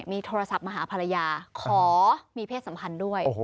มีโทรศัพท์มาหาภรรยาขอมีเพศสัมพันธ์ด้วย